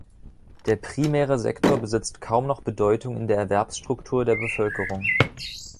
Der primäre Sektor besitzt kaum noch Bedeutung in der Erwerbsstruktur der Bevölkerung.